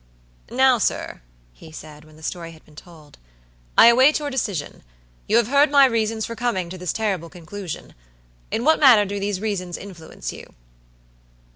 "Now, sir," he said, when the story had been told, "I await your decision. You have heard my reasons for coming to this terrible conclusion. In what manner do these reasons influence you?"